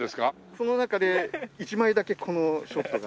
その中で１枚だけこのショットが。